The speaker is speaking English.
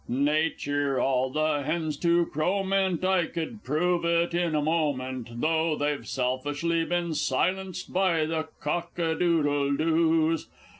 Nature all the hens to crow meant, I could prove it in a moment, Though they've selfishly been silenced by the cockadoodle doos.